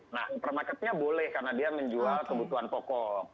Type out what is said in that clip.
nah hypermarket nya boleh karena dia menjual kebutuhan pokok